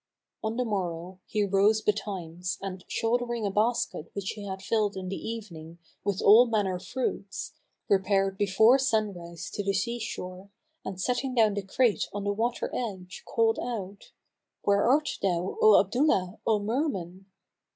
On the morrow, he rose betimes and, shouldering a basket which he had filled in the evening with all manner fruits, repaired before sunrise to the sea shore, and setting down the crate on the water edge called out, "Where art thou, O Abdullah, O Merman?"